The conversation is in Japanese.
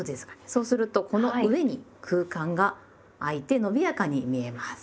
そうするとこの上に空間があいてのびやかに見えます。